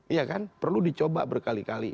iya kan perlu dicoba berkali kali